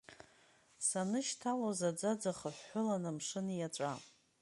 Санышьҭалоз, аӡаӡа хыҳәҳәылан амшын иаҵәа.